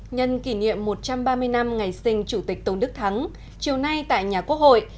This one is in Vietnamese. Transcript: nhân kỷ niệm một trăm ba mươi năm ngày sinh chủ tịch tôn đức thắng chiều nay tại nhà quốc hội